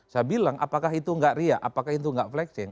saya bilang apakah itu nggak riak apakah itu nggak flexing